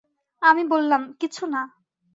আমি বললাম, কিছু না।